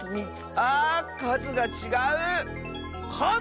あかずがちがう！かず？